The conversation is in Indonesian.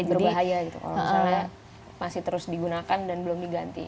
ini berbahaya gitu kalau misalnya masih terus digunakan dan belum diganti